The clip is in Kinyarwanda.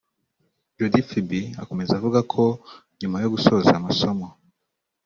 Jody Phibi akomeza avuga ko nyuma yo gusoza amasomo